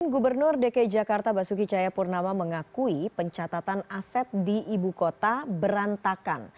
gubernur dki jakarta basuki cahayapurnama mengakui pencatatan aset di ibu kota berantakan